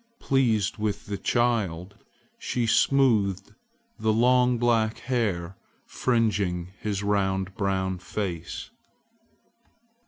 Pleased with the child, she smoothed the long black hair fringing his round brown face.